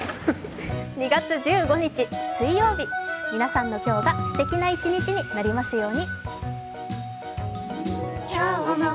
２月１５日、水曜日皆さんの今日がすてきな一日になりますように。